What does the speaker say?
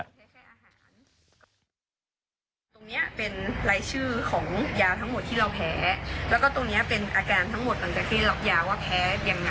ตรงนี้เป็นรายชื่อของยาทั้งหมดที่เราแพ้